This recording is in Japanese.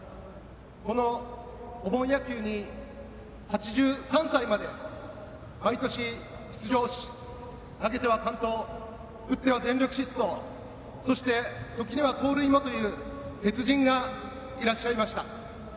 このお盆野球に８３歳まで毎年、出場し、投げては完投打っては全力疾走そして、時には盗塁もという鉄人がいらっしゃいました。